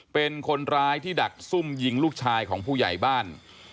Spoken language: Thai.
เป็นคนร้ายที่ดักซุ่มยิงลูกชายของผู้ใหญ่บ้าน